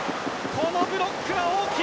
このブロックは大きい！